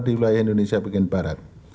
di wilayah indonesia bagian barat